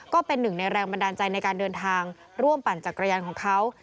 ก็เป็นหนึ่งในแรงบันดาลใจในการเดินทางร่วมปั่นจักรยานของเขา